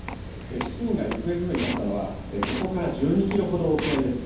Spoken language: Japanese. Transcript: ７人が行方不明になったのは、ここから１２キロほど沖合です。